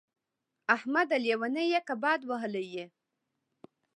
احمده! لېونی يې که باد وهلی يې.